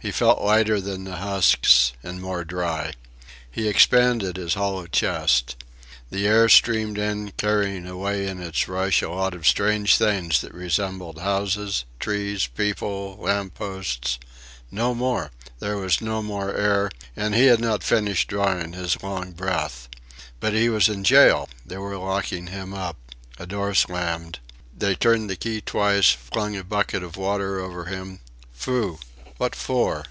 He felt lighter than the husks and more dry. He expanded his hollow chest. The air streamed in, carrying away in its rush a lot of strange things that resembled houses, trees, people, lamp posts.... No more! There was no more air and he had not finished drawing his long breath. But he was in jail! They were locking him up. A door slammed. They turned the key twice, flung a bucket of water over him Phoo! What for?